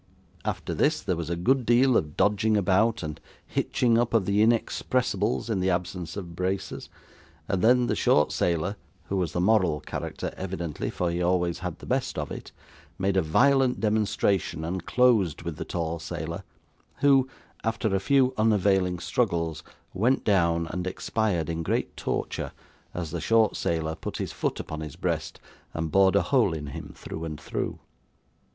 After this, there was a good deal of dodging about, and hitching up of the inexpressibles in the absence of braces, and then the short sailor (who was the moral character evidently, for he always had the best of it) made a violent demonstration and closed with the tall sailor, who, after a few unavailing struggles, went down, and expired in great torture as the short sailor put his foot upon his breast, and bored a hole in him through and through.